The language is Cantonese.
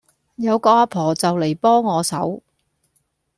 有個阿婆就嚟幫我手